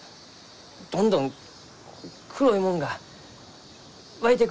どんどん黒いもんが湧いてくるがです。